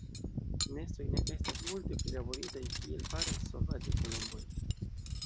Nestoj ne estas multe prilaboritaj kiel faras sovaĝaj kolomboj.